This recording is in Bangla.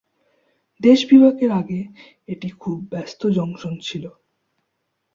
দেশ বিভাগের আগে এটি খুব ব্যস্ত জংশন ছিল।